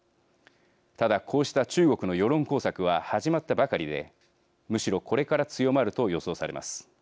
ただこうした中国の世論工作は始まったばかりでむしろこれから強まると予想されます。